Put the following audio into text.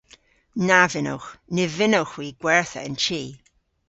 Na vynnowgh. Ny vynnowgh hwi gwertha an chi.